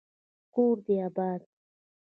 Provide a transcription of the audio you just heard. کور دي اباد